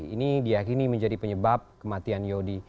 ini diakini menjadi penyebab kematian yodi